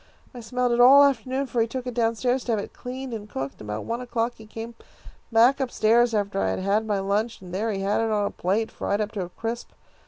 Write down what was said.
I smelled it all afternoon, for he took it down stairs to have it cleaned and cooked. About one o'clock he came back up stairs after I had had my lunch, and there he had it on a plate, fried up into a crisp.